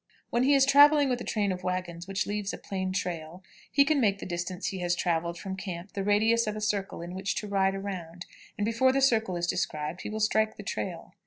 When he is traveling with a train of wagons which leaves a plain trail, he can make the distance he has traveled from camp the radius of a circle in which to ride around, and before the circle is described he will strike the trail.